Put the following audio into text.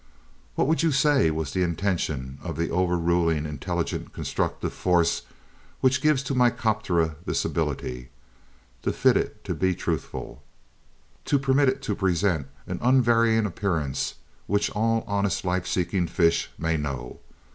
What would you say was the intention of the overruling, intelligent, constructive force which gives to Mycteroperca this ability? To fit it to be truthful? To permit it to present an unvarying appearance which all honest life seeking fish may know?